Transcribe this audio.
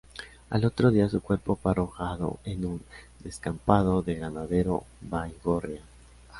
Al otro día su cuerpo fue arrojado en un descampado de Granadero Baigorria.